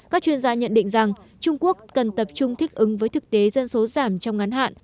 các chuyên gia nhận định rằng trung quốc cần tập trung thích ứng với thực tế dân số giảm trong ngắn hạn